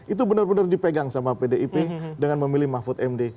itu benar benar dipegang sama pdip dengan memilih mahfud md